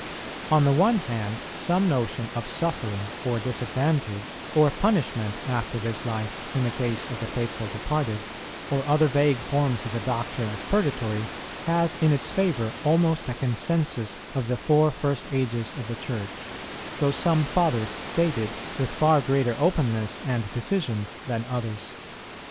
On the one hand, some notion of suffering, or disadvantage, or punishment after this life, in the case of the faithful departed, or other vague forms of the doctrine of Purgatory, has in its favour almost a consensus of the four first ages of the Church, though some Fathers state it with far greater openness and decision than others.